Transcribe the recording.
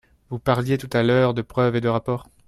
Vous parliez tout à l’heure de preuves et de rapports.